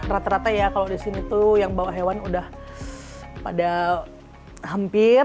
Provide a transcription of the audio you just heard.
rata rata ya kalau di sini tuh yang bawa hewan udah pada hampir